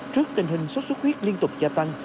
trước tình hình xuất xuất huyết liên tục gia tăng